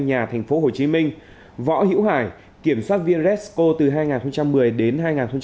nhà tp hcm võ hữu hải kiểm soát viên resco từ hai nghìn một mươi đến hai nghìn một mươi